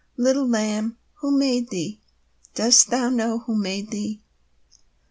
Little Lamb, who made thee? Dost thou know who made thee?